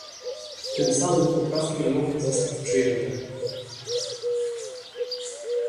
Tym samym poprawki nie mogą zostać przyjęte